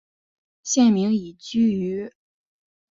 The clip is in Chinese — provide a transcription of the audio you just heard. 县名以居住于密西西比河沿岸的滕萨人命名。